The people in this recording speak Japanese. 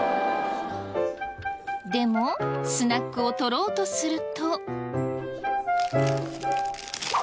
でもスナックを取ろうとすると。